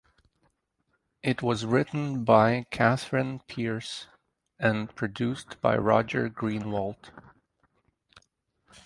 It was written by Catherine Pierce and produced by Roger Greenawalt.